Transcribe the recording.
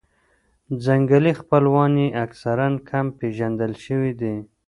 ځنګلي خپلوان یې اکثراً کم پېژندل شوي دي.